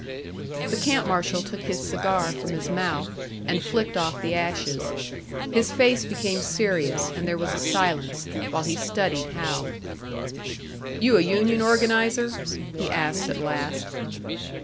The camp marshal took his cigar from his mouth, and flicked off the ashes. His face became serious, and there was a silence, while he studied Hal. "You a union organiser?" he asked, at last.